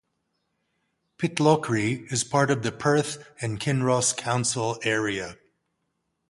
Pitlochry is part of the Perth and Kinross council area.